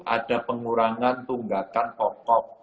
ada pengurangan tunggakan pokok